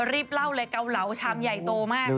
รีบเล่าเลยเกาเหลาชามใหญ่โตมาก